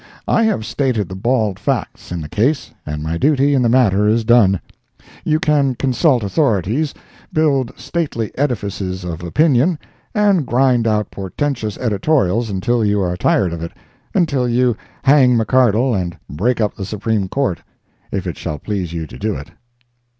I have stated the bald facts in the case, and my duty in the matter is done. You can consult authorities, build stately edifices of opinion, and grind out portentious editorials until you are tired of it—until you hang McCardle and break up the Supreme Court, if it shall please you to do it.